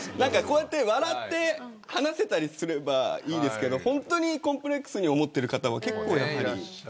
こうやって笑って話せたりすればいいですけど本当にコンプレックスに思ってる方は結構やはり。